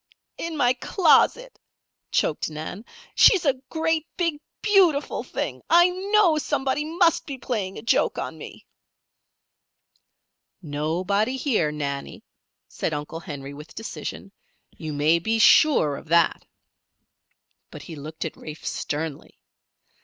"In my closet," choked Nan. "She's a great, big, beautiful thing! I know somebody must be playing a joke on me." "Nobody here, Nannie," said Uncle Henry, with decision. "You may be sure of that." But he looked at Rafe sternly.